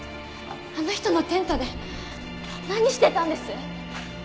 あの人のテントで何してたんです？